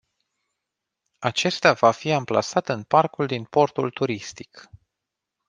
Acesta va fi amplasat în parcul din portul turistic.